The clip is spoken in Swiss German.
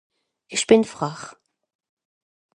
esch bìn frach